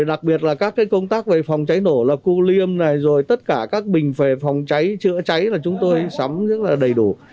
đặc biệt là các công tác về phòng cháy nổ là cu liêm tất cả các bình phề phòng cháy chữa cháy là chúng tôi sắm rất đầy đủ